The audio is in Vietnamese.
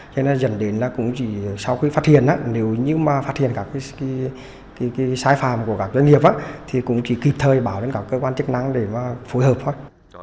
nên dẫn đến là cũng chỉ sau khi phát hiện nếu như mà phát hiện các sai phạm của các doanh nghiệp thì cũng chỉ kịp thời bảo đến các cơ quan chức năng để phối hợp thôi